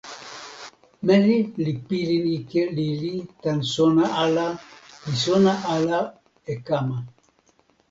meli li pilin ike lili tan sona ala, li sona ala e kama.